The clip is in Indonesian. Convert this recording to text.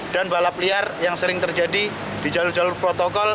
dan balap liar yang sering terjadi di jalur jalur protokol